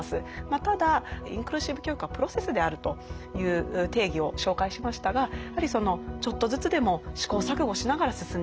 ただ「インクルーシブ教育はプロセスである」という定義を紹介しましたがちょっとずつでも試行錯誤しながら進んでいく。